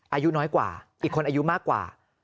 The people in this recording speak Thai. อายุน้อยกว่าอีกคนอายุมากกว่า